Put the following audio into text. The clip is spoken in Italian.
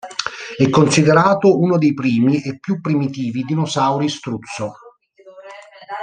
È considerato uno dei primi e più primitivi dinosauri struzzo.